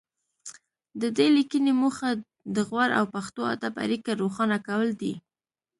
د دې لیکنې موخه د غور او پښتو ادب اړیکه روښانه کول دي